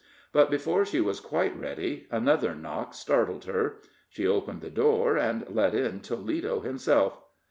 But before she was quite ready, another knock startled her. She opened the door, and let in Toledo himself.